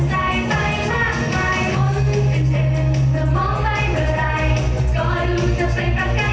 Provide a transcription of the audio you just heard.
แช่งจำชีวิตทุกส่วนตามไป